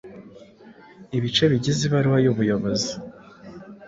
Ibice bigize ibaruwa y’ubuyobozi